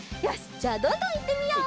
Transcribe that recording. じゃあどんどんいってみよう！